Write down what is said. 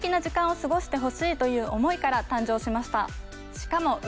しかも。